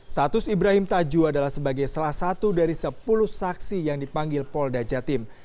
status ibrahim tajuh adalah sebagai salah satu dari sepuluh saksi yang dipanggil polda jatim